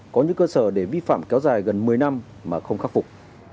có những cơ sở để vi phạm kéo dài gần một mươi năm mà không khắc phục